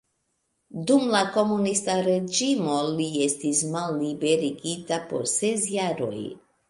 Dum la komunista reĝimo li estis malliberigita por ses jaroj.